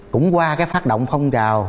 cũng qua cái phát động phong trào